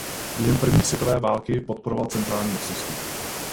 Během první světové války podporoval centrální mocnosti.